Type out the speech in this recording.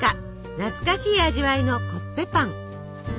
懐かしい味わいのコッペパン。